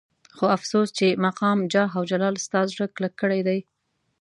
خو افسوس چې مقام جاه او جلال ستا زړه کلک کړی دی.